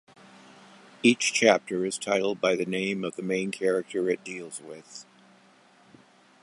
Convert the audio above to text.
Each chapter is titled by the name of the main character it deals with.